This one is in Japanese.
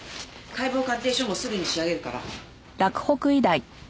解剖鑑定書もすぐに仕上げるから。